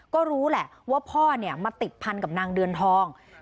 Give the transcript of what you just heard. ก็รู้แหละว่าพ่อมาติดพันกับนางเดือนทอง